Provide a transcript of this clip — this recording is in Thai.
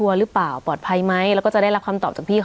สวัสดีครับทุกผู้ชม